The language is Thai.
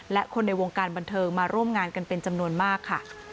และคนในวงการบันเทิงมาร่วมงานกันเป็นจำนวนมากค่ะ